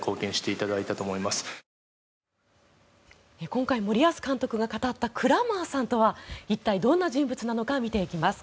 今回、森保監督が語ったクラマーさんとは一体どんな人物なのか見ていきます。